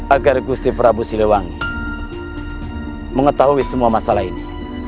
agar gusti prabu siliwangi mengetahui semua masalah ini